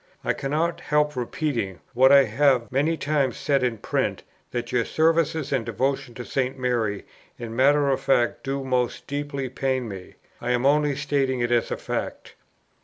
I cannot help repeating what I have many times said in print, that your services and devotions to St. Mary in matter of fact do most deeply pain me. I am only stating it as a fact.